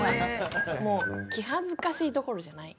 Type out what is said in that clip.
もう気はずかしいどころじゃない。